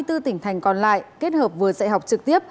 hai mươi bốn tỉnh thành còn lại kết hợp vừa dạy học trực tiếp